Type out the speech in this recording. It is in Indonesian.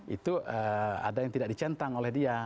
itu ada yang tidak dicentang oleh dia